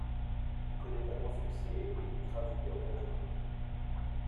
Il connait un grand succès et est traduit en quinze langues.